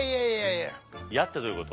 「いや」ってどういうこと？